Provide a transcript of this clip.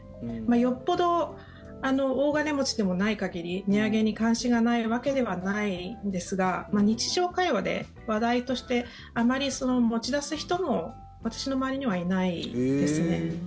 よっぽど大金持ちでもない限り値上げに関心がないわけではないんですが日常会話で話題としてあまり持ち出す人も私の周りにはいないですね。